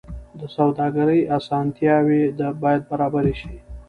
د سوداګرۍ اسانتیاوې باید برابرې شي.